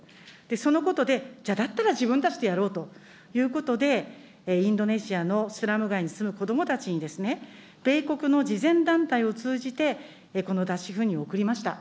そのことでじゃあ、だったら自分たちでやろうということで、インドネシアのスラム街に住む子どもたちに、米国の慈善団体を通じて、この脱脂粉乳を送りました。